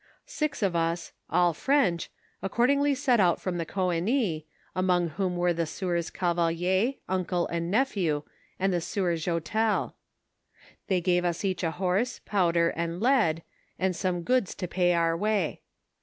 Six of us, all French, accordingly set out from the Coenis, among whom were the sieure Cavelier, uncle and nephew, and the sieur Joutel. They gave us each a horse, powder and lead, and some goods to pay our way.